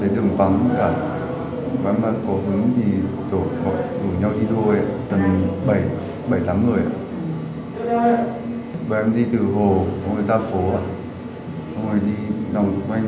đoạn hai hàng đào